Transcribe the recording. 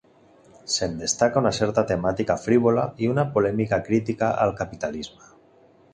Se'n destaca una certa temàtica frívola i una polèmica crítica al capitalisme.